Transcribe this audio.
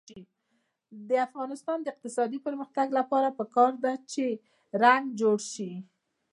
د افغانستان د اقتصادي پرمختګ لپاره پکار ده چې رنګ جوړ شي.